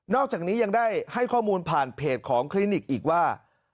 อกจากนี้ยังได้ให้ข้อมูลผ่านเพจของคลินิกอีกว่า